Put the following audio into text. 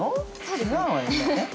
違うわよね。